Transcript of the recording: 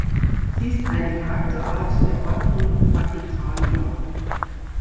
Sie ist eine Charakterart der Ordnung Fagetalia.